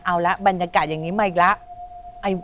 เอาละบรรยากาศอย่างนี้มาอีกแล้ว